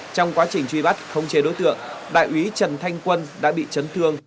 trong quá trình truy bắt khống chế đối tượng đại úy trần thanh quân đã bị chấn thương